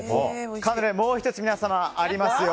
カヌレ、もう１つありますよ。